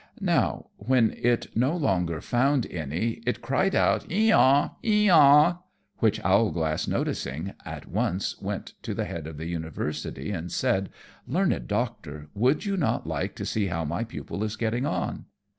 Now, when it no longer found any it cried out, "E aw! E aw!" which Owlglass noticing, at once went to the head of the university and said, "Learned Doctor, would you not like to see how my pupil is getting on?"